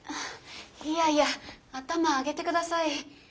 いやいや頭上げて下さい。